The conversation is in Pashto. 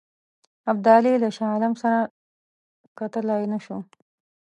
ابدالي له شاه عالم سره کتلای نه شو.